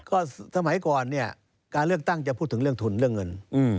ก็สมัยก่อนเนี่ยการเลือกตั้งจะพูดถึงเรื่องทุนเรื่องเงิน